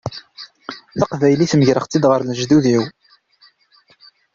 Taqbaylit megreɣ-tt-id ɣer lejdud-iw.